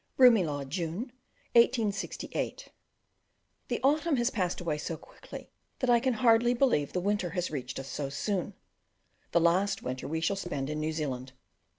Broomielaw, June 1868. The autumn has passed away so quickly that I can hardly believe the winter has reached us so soon the last winter we shall spend in New Zealand.